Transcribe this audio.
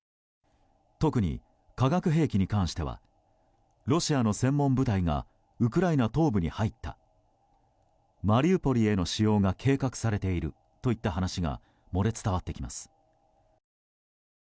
特に化学兵器に関してはロシアの専門部隊がウクライナ東部に入ったマリウポリへの使用が計画されているといった話が漏れ伝わってきます。